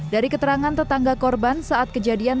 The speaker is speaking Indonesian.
dari keterangan tetangga korban saat kejadian